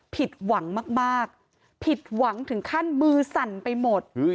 ผิดหวังมากผิดหวังถึงขั้นมือสั่นไปหมด